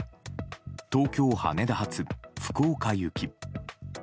東京・羽田発、福岡行き。